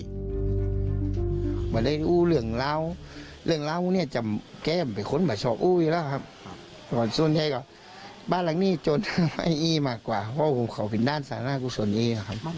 อย่างนั้นต้องไปช่วยเรืออย่างนี้ประมาณนี้